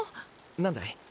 何だい？